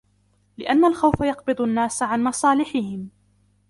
لِأَنَّ الْخَوْفَ يَقْبِضُ النَّاسَ عَنْ مَصَالِحِهِمْ